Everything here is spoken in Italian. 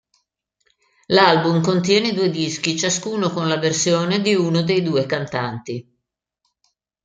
L'album contiene due dischi, ciascuno con la versione di uno dei due cantanti.